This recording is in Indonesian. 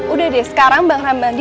udah deh sekarang bang rambandi